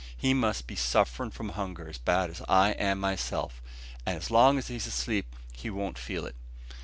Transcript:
"He must be sufferin' from hunger as bad as I am myself, and as long as he's asleep he won't feel it.